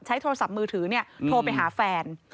โทรศัพท์มือถือโทรไปหาแฟน